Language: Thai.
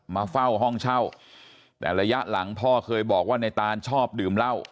มาเฝ้าห้องเช่าแต่ระยะหลังพ่อเคยบอกว่าในตานชอบดื่มเหล้า